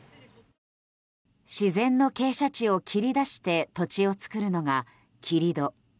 自然の傾斜地を切り出して土地を作るのが切り土。